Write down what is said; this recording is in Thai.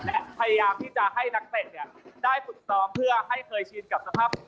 และพยายามที่จะให้นักเตะเนี่ยได้ฝึกซ้อมเพื่อให้เคยชินกับสภาพ